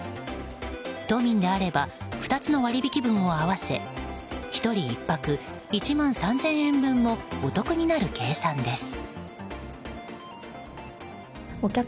都民であれば２つの割引分を合わせ１人１泊１万３０００円分もお得になる計算です。